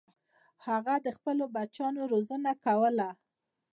هغه د خپلو بچیانو روزنه کوله.